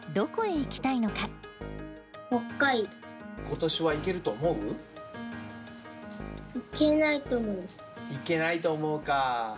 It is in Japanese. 行けないと思うか。